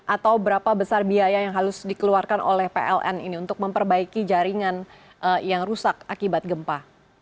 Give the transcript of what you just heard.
atau berapa besar biaya yang harus dikeluarkan oleh pln ini untuk memperbaiki jaringan yang rusak akibat gempa